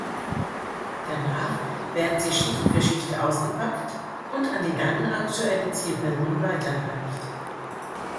Danach werden sie Schicht für Schicht ausgepackt und an die dann aktuelle Zielperson weitergereicht.